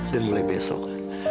dan mulai besok